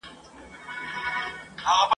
په راتلونکي کي به ټولي نجوني زدهکړي وکړي.